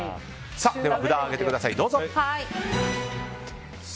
では札を上げてくださいどうぞ。